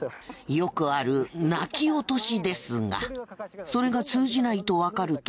よくある泣き落としですがそれが通じないとわかると。